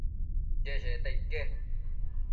cheshecta ique